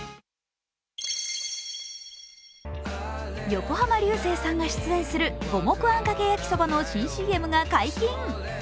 横浜流星さんが出演する五目あんかけ焼きそばの新ＣＭが解禁。